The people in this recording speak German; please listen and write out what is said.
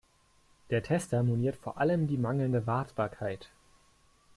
Der Tester moniert vor allem die mangelnde Wartbarkeit.